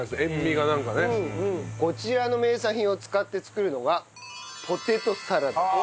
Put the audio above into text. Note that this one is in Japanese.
こちらの名産品を使って作るのがポテトサラダです。